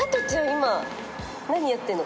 今何やってんの？